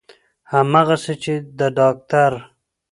همغسې چې د داکتر